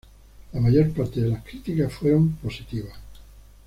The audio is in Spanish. La mayor parte de las críticas fueron positivas.